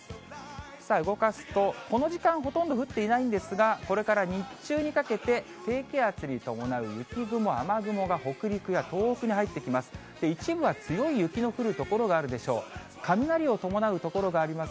さあ、動かすと、この時間、ほとんど降っていないんですが、これから日中にかけて、低気圧に伴う雪雲、雨雲が北陸や東北に入ってきます。